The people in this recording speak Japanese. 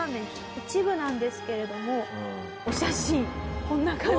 一部なんですけれどもお写真こんな感じです。